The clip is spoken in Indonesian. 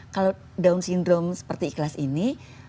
kalau down syndrome seperti ikhlas ini